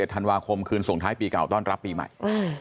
ธันวาคมคืนส่งท้ายปีเก่าต้อนรับปีใหม่